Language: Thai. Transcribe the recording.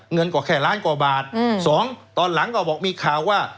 เงินก็แค่ล้านกว่าบาทสองตอนหลังก็บอกมีข่าวว่า